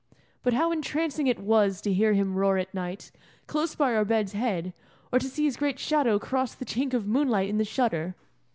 But how entrancing it was to hear him roar at night, close by our bed's head, or to see his great shadow cross the chink of moonlight in the shutter!